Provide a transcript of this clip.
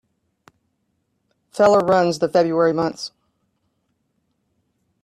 Feller runs the February months.